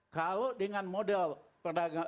kalau dengan model kesepakatan dan dagang itu